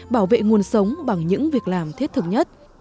bảo vệ nguồn sống bằng những việc làm thiết thực nhất